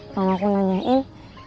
kalau aku nanyain